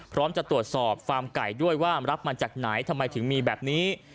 พร้อมจะตรวจสอบฟาร์มไก่ด้วยว่ารับมาจากไหนทำไมถึงมีแบบนี้